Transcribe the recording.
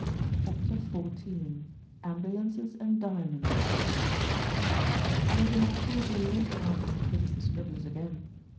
CHAPTER XIV AMBULANCES AND DIAMONDS THERE was an opportunity later on to visit the Scribblers again.